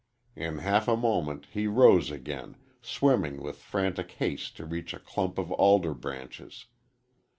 In half a moment he rose again, swimming with frantic haste to reach a clump of alder branches.